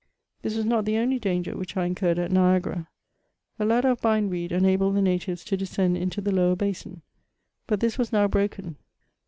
This was not the only danger which I incurred at Niagara, A ladder of bind weed enabled the natives to descend into the lower basin, but this was now broken.